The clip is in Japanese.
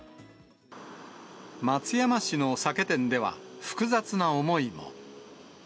松山市の酒店では、複雑な思いも。